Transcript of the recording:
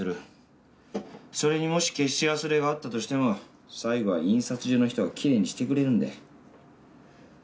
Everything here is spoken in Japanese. それにもし消し忘れがあったとしても最後は印刷所の人がきれいにしてくれるんだ。